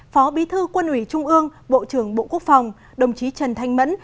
phó bí thư quân ủy trung ương bộ trưởng bộ quốc phòng đồng chí trần thanh mẫn